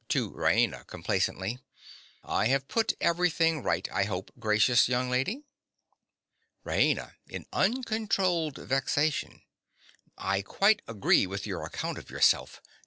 (to Raina complacently). I have put everything right, I hope, gracious young lady! RAINA. (in uncontrollable vexation). I quite agree with your account of yourself.